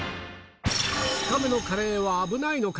２日目のカレーは危ないのか？